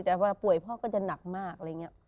แต่ว่าป่วยพ่อก็จะหนักมาก